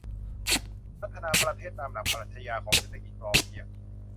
พัฒนาประเทศตามหลักปรัชญาของเศรษฐกิจพอเพียง